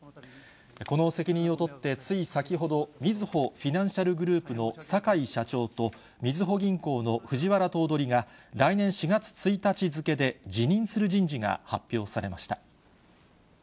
この責任を取って、つい先ほど、みずほフィナンシャルグループの坂井社長と、みずほ銀行の藤原頭取が、来月４月１日付で辞任する人事が発表されました。